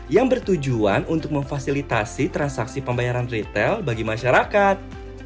yang bertujuan untuk memfasilitasi transaksi pembayaran retail bagi masyarakat